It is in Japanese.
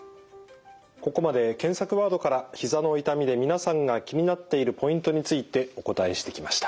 ここまで検索ワードからひざの痛みで皆さんが気になっているポイントについてお答えしてきました。